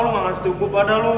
lo gak kasih cukup pada lo